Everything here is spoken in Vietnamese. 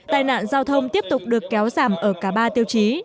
tài nạn giao thông tiếp tục được kéo giảm ở cả ba tiêu chí